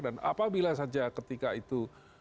dan apabila saja ketika itu